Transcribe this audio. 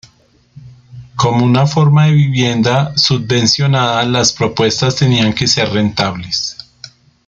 Como una forma de vivienda subvencionada, las propuestas tenían que ser rentables.